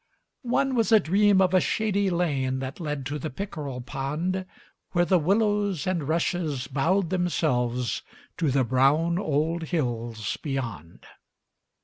One was a dream of a shady lane That led to the pickerel pond Where the willows and rushes bowed themselves To the brown old hills beyond.